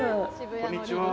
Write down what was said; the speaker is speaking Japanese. こんにちは。